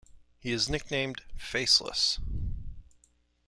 He is nicknamed "Faceless".